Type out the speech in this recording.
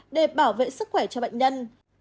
để bảo vệ sức khỏe cho bệnh nhân